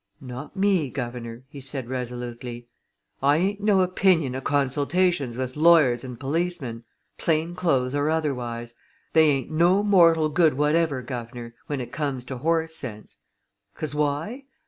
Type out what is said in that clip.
"Not me, guv'nor!" he said resolutely. "I ain't no opinion o' consultations with lawyers and policemen plain clothes or otherwise. They ain't no mortal good whatever, guv'nor, when it comes to horse sense! 'Cause why?